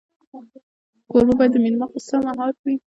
کوربه باید د مېلمه غوسه مهار کړي.